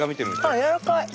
あっやわらかい。